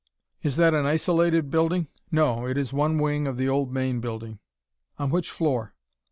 "Is that an isolated building?" "No, it is one wing of the old main building." "On which floor?"